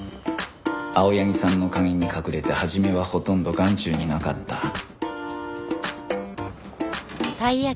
青柳さんの陰に隠れて初めはほとんど眼中になかった